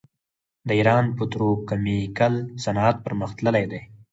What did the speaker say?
د ایران پتروکیمیکل صنعت پرمختللی دی.